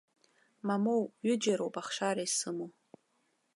Мамоу, ҩыџьа роуп ахшара исымоу.